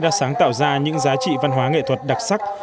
đã sáng tạo ra những giá trị văn hóa nghệ thuật đặc sắc